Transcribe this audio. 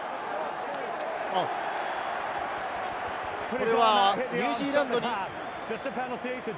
これはニュージーランドに。